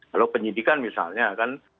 kalau penyidikan misalnya kan